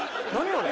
あれ。